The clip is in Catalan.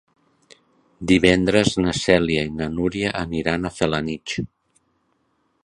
Divendres na Cèlia i na Núria aniran a Felanitx.